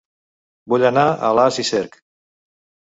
Vull anar a Alàs i Cerc